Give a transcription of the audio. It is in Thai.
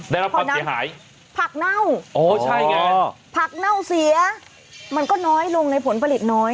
แล้วก็เสียหายพักเน่าพักเน่าเสียมันก็น้อยลงในผลผลิตน้อย